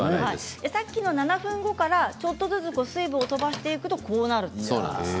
さっきの７分後からちょっとずつ水分を飛ばしていくとこうなると。